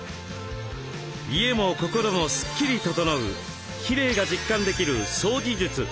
家も心もスッキリ整うきれいが実感できる掃除術。